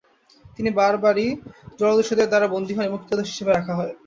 তিনি বারবারি জলদস্যুদের দ্বারা বন্দী হন এবং ক্রীতদাস হিসেবে রাখা হয়।